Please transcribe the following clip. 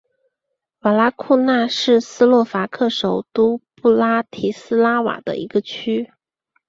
瓦拉库纳是斯洛伐克首都布拉提斯拉瓦的一个区。